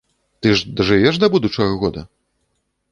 Ты ж дажывеш да будучага года?